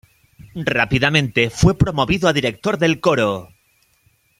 Rápidamente fue promovido a director del coro.